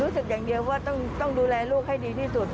รู้สึกอย่างเดียวว่าต้องดูแลลูกให้ดีที่สุด